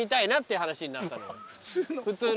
普通の？